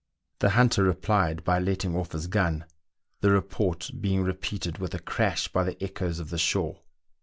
The hunter replied by letting off his gun, the report being repeated with a crash by the echoes of the shore.